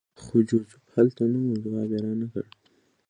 خو جوزف هلته نه و او ځواب یې رانکړ